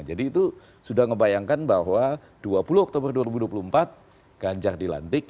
jadi itu sudah ngebayangkan bahwa dua puluh oktober dua ribu dua puluh empat ganjar dilantik